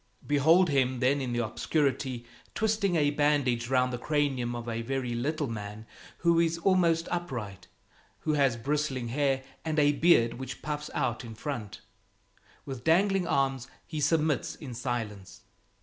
Behold him then in the obscurity, twisting a bandage round the cranium of a very little man who is almost upright, who has bristling hair and a beard which puffs out in front. With dangling arms, he submits in silence.